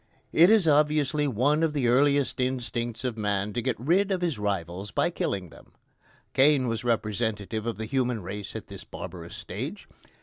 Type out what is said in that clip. It is obviously one of the earliest instincts of man to get rid of his rivals by killing them. Cain was representative of the human race at this barbarous stage.